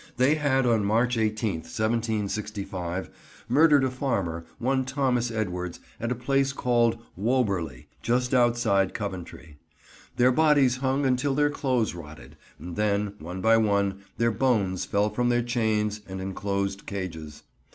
They had on March 18th, 1765, murdered a farmer, one Thomas Edwards, at a place called Whoberley, just outside Coventry. Their bodies hung until their clothes rotted; and then, one by one, their bones fell from their chains and enclosing cages.